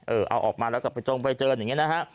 เอาออกมาแล้วก็ไปเจิมอย่างนี้